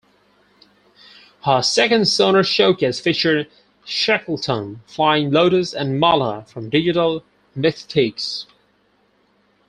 Her second Sonar showcase featured Shackleton, Flying Lotus and Mala from Digital Mystikz.